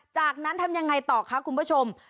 จากนั้นทำยังไงต่อคะคุณผู้ชม